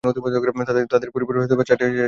তাদের পরিবারে চারটি সন্তান রয়েছে।